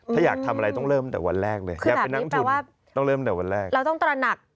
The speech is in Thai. ถ้าอยากทำอะไรต้องเริ่มตั้งแต่วันแรกเลยอยากเป็นน้ำทุนต้องเริ่มตั้งแต่วันแรก